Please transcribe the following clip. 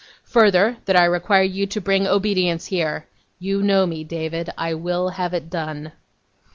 Further, that I require you to bring obedience here. You know me, David. I will have it done.